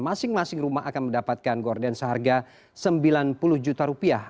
masing masing rumah akan mendapatkan gorden seharga rp sembilan puluh juta rupiah